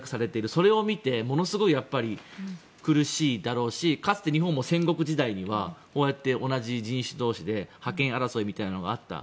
それを見てものすごい苦しいだろうしかつて日本も戦国時代にはこうやって同じ人種同士で覇権争いみたいなのがあった。